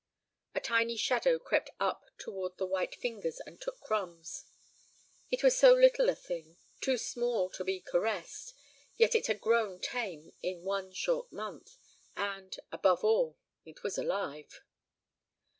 A tiny shadow crept up toward the white fingers and took crumbs. It was so little a thing, too small to be caressed, yet it had grown tame in one short month, and, above all, it was alive.